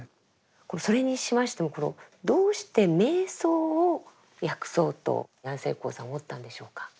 それにしましてもこのどうして瞑想を訳そうと安世高さん思ったんでしょうか？